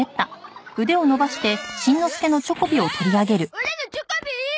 オラのチョコビ！